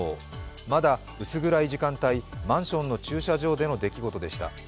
まだ薄暗い時間帯、マンションの駐車場での出来事でした。